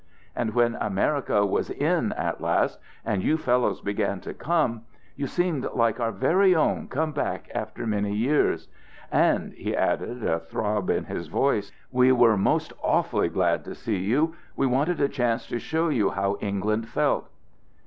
And when America was in at last, and you fellows began to come, you seemed like our very own come back after many years, and," he added a throb in his voice, "we were most awfully glad to see you we wanted a chance to show you how England felt."